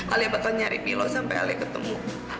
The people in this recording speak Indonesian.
alia bakal nyari milo sampai alia ketemu